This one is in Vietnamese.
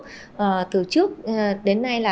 từ trước chúng tôi đã có những sự chuẩn bị rất là kỹ lưỡng